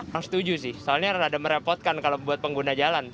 harus setuju sih soalnya rada merepotkan kalau buat pengguna jalan